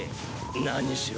何しろ